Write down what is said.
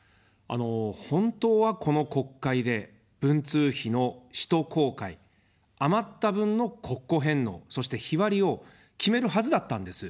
本当はこの国会で文通費の使途公開、余った分の国庫返納、そして日割りを決めるはずだったんです。